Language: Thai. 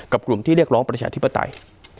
กลุ่มที่เรียกร้องประชาธิปไตย